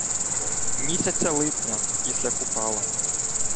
Місяця липня, після Купала